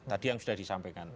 tadi yang sudah disampaikan